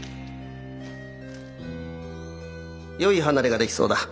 よい離れが出来そうだ。